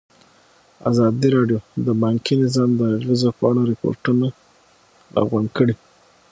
ازادي راډیو د بانکي نظام د اغېزو په اړه ریپوټونه راغونډ کړي.